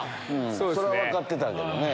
それは分かってたけどね。